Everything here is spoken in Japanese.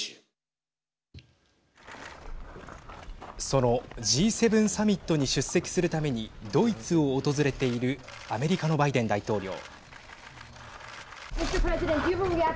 そのＧ７サミットに出席するためにドイツを訪れているアメリカのバイデン大統領。